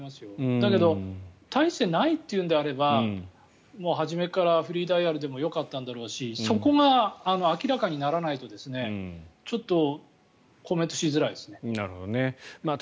だけど大してないというのであれば初めからフリーダイヤルでもよかったんだろうしそこが明らかにならないとコメントしづらいですね。